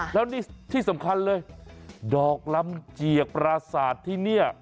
แล้วนี่ที่สำคัญเลยดอกลำเจียกปราศาสตร์ที่นี่